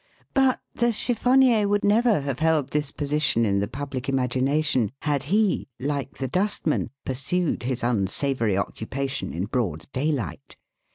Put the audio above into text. But the chiffonnier would never have held this position in the public imagination had he, like the dustman, pur sued his unsavoury occupation in broad daylight.